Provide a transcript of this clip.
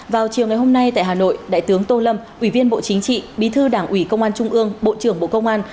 vào chiều ngày hôm nay tại hà nội đại tướng tô lâm ủy viên bộ chính trị bí thư đảng ủy công an trung ương bộ trưởng bộ công an